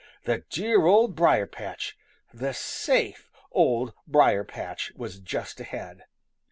The dear Old Briar patch, the safe Old Briar patch, was just ahead.